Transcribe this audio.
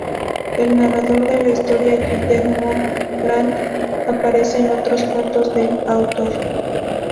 El narrador de la historia, Guillermo Grant, aparece en otros cuentos del autor.